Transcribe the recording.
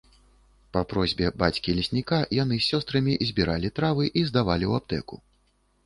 Па просьбе бацькі-лесніка яны з сёстрамі збіралі травы і здавалі ў аптэку.